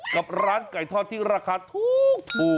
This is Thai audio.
กับร้านไก่ทอดที่ราคาถูก